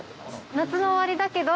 夏の終わりだけど。